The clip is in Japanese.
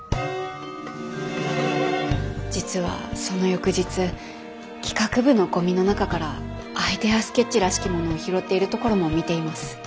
実はその翌日企画部のゴミの中からアイデアスケッチらしきものを拾っているところも見ています。